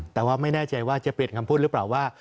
แต่ว่าไม่แน่ใจว่าจะเปลี่ยนคำพูดหรือเปล่าว่า